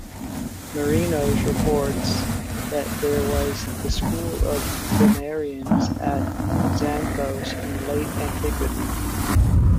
Marinos reports that there was a school of grammarians at Xanthos in late antiquity.